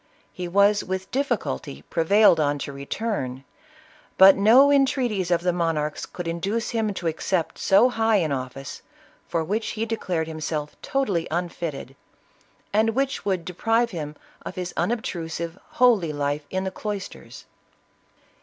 He was with difficulty prevailed on to return, but no entreaties of the monarchs could induce him to accept so high an office, for which he declared himself totally unfitted, and which would de prive him of his unobtrusive, holy life in the cloisters.